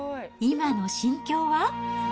今の心境は？